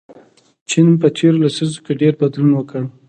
چین په تیرو لسیزو کې ډېر بدلون وکړ.